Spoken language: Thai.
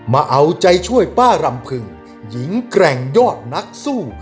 มาเอาใจช่วยป้ารำพึงหญิงแกร่งยอดนักสู้